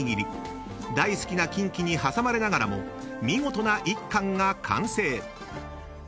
［大好きなキンキに挟まれながらも見事な１貫が完成］